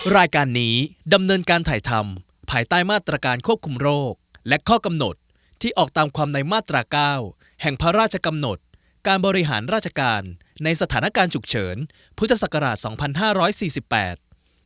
รายการนี้ดำเนินการถ่ายทำภายใต้มาตรการควบคุมโรคและข้อกำหนดที่ออกตามความในมาตราเก้าแห่งพระราชกำหนดการบริหารราชการในสถานการณ์ฉุกเฉินพุทธศักราชสองพันห้าร้อยสี่สิบแปด